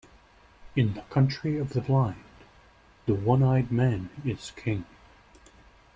In the country of the blind, the one-eyed man is king.